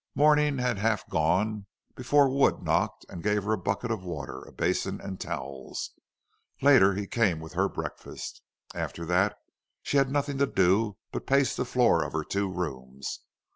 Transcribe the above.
Morning had half gone before Wood knocked and gave her a bucket of water, a basin and towels. Later he came with her breakfast. After that she had nothing to do but pace the floor of her two rooms.